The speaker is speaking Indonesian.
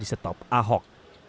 sebelumnya di setop ahok